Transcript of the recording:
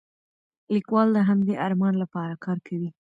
لیکوال د همدې ارمان لپاره کار کوي.